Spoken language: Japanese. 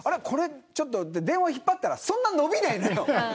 電話を引っ張ったらそんなに延びないのよ。